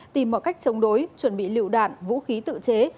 tìm mọi cách chống đối chuẩn bị lựu đạn vũ khí tự chế